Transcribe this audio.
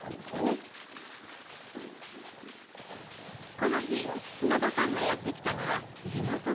この日砂田さんがやって来たのは地元の駅。